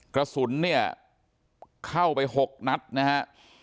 กระสุนเนี่ยเข้าไปหกนัทนะฮะอ่า